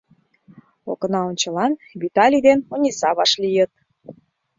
Окна ончылан Виталий ден Ониса вашлийыт.